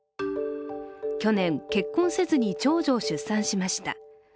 去年、結婚せずに長女を出産しました。